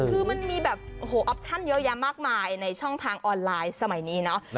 คือมันมีแบบโอ้โหออปชั่นเยอะแยะมากมายในช่องทางออนไลน์สมัยนี้เนาะ